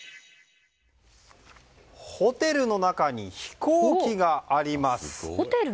ホテルの中に飛行機があります。